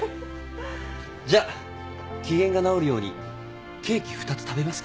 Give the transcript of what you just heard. じゃ機嫌が直るようにケーキ二つ食べますか？